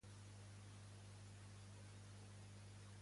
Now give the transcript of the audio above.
Ala anterior amb vena marginal distintament més curta que la cel·la costal.